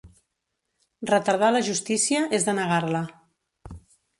Retardar la justícia és denegar-la.